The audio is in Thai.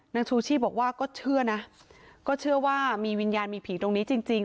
ชูชีพบอกว่าก็เชื่อนะก็เชื่อว่ามีวิญญาณมีผีตรงนี้จริง